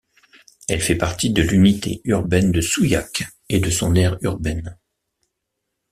Elle fait partie de l'unité urbaine de Souillac et de son aire urbaine.